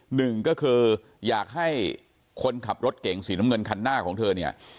หนึ่งก็คืออยากให้คนขับรถเก่งสีน้ำเงินคันหน้าของเธอเนี่ย